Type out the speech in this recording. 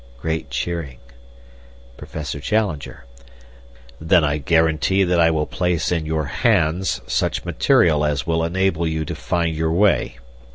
(Great cheering.) Professor Challenger: "Then I guarantee that I will place in your hands such material as will enable you to find your way.